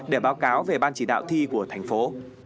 để báo cáo về ban chỉ đạo thi của thành phố